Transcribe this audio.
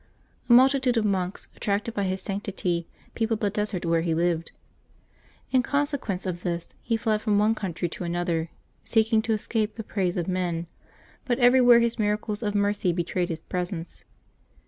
A multitude of monks, attracted by his sanctity, peopled the desert where he lived. In consequence of this, he fled from one country to another, seeking to escape the praise of men; but everywhere his miracles of mercy betrayed his presence.